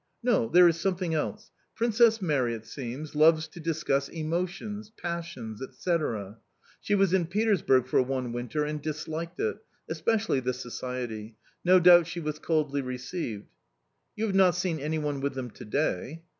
No, there is something else: Princess Mary, it seems, loves to discuss emotions, passions, etcetera. She was in Petersburg for one winter, and disliked it especially the society: no doubt she was coldly received." "You have not seen anyone with them today?"